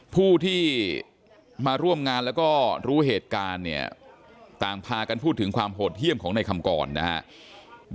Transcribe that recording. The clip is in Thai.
ผู้ที่มาร่วมงานแล้วก็รู้เหตุการณ์เนี่ยต่างพากันพูดถึงความโหดเยี่ยมของในคำกรนะครับ